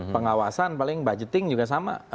pengawasan paling budgeting juga sama